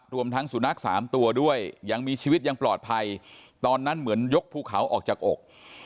รวมทั้งสุนัขสามตัวด้วยยังมีชีวิตยังปลอดภัยตอนนั้นเหมือนยกภูเขาออกจากอก